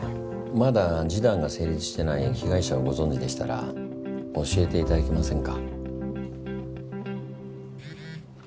まだ示談が成立してない被害者をご存じでしたら教えていただけませんか？